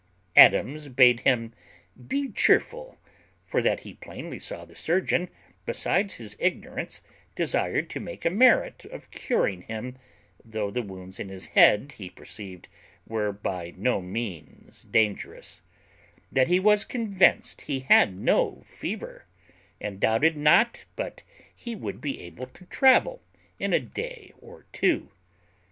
Adams bade him "be cheerful; for that he plainly saw the surgeon, besides his ignorance, desired to make a merit of curing him, though the wounds in his head, he perceived, were by no means dangerous; that he was convinced he had no fever, and doubted not but he would be able to travel in a day or two."